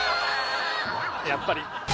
やっぱり。